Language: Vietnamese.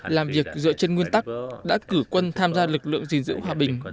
làm việc dựa trên nguyên tắc đã cử quân tham gia lực lượng gìn giữ hòa bình